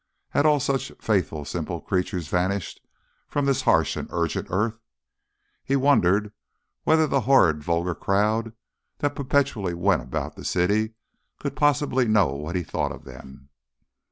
Had all such faithful simple creatures vanished from this harsh and urgent earth? He wondered whether the horrid vulgar crowd that perpetually went about the city could possibly know what he thought of them.